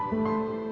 pesek air papi